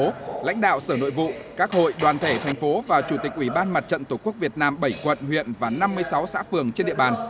thành phố lãnh đạo sở nội vụ các hội đoàn thể thành phố và chủ tịch ủy ban mặt trận tổ quốc việt nam bảy quận huyện và năm mươi sáu xã phường trên địa bàn